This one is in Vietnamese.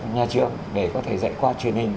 nhà trường để có thể dạy qua truyền hình